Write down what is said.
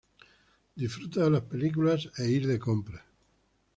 Disfruta de las películas e ir de compras.